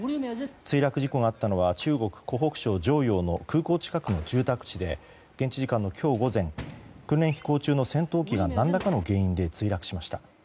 墜落事故があったのは中国・湖北省襄陽の空港近くの住宅地で現地時間の今日午前訓練飛行中の戦闘機が何らかの理由で墜落しました。